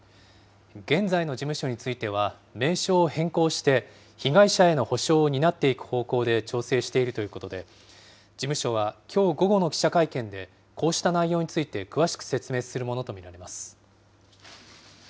現在の事務所については、名称を変更して被害者への補償を担っていく方向で調整しているということで、事務所はきょう午後の記者会見で、こうした内容について詳しく説明するものと見られます。